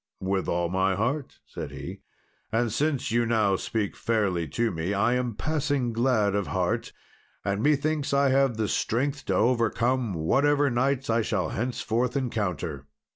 "With all my heart," said he; "and since you now speak fairly to me, I am passing glad of heart, and methinks I have the strength to overcome whatever knights I shall henceforth encounter."